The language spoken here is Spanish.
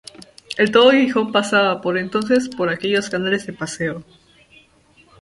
El 'todo Gijón' pasaba, por entonces, por aquellos canales de paseo.